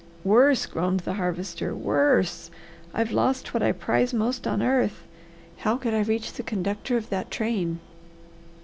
"Worse!" groaned the Harvester. "Worse! I've lost what I prize most on earth. How could I reach the conductor of that train?"